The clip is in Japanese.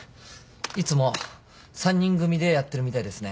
いつも３人組でやってるみたいですね。